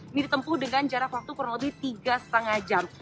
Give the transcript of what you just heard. ini ditempuh dengan jarak waktu kurang lebih tiga lima jam